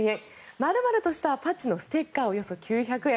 丸々としたパッチのステッカーおよそ９００円